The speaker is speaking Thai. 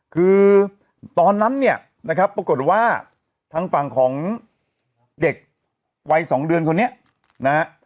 คือตอนนั้นเนี่ยนะครับปรากฏว่าทางฝั่งของเด็กวัย๒เดือนคนนี้นะฮะ